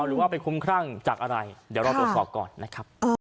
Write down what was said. หรือว่าไปคุ้มครั่งจากอะไรเดี๋ยวเราตรวจสอบก่อนนะครับ